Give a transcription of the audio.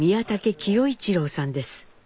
亀代一郎さんです。